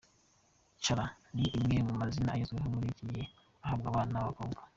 Cara, ni rimwe mu mazina agezweho muri iki gihe ahabwa abana b’abakobwa.